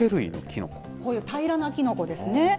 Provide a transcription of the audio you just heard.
こういう平らなキノコですね。